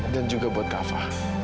dan juga buat kava